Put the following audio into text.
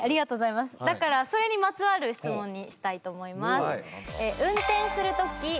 だからそれにまつわる質問にしたいと思います。